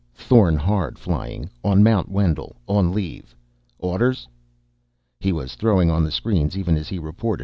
Thorn Hard flying. On Mount Wendel, on leave. Orders?" He was throwing on the screens even as he reported.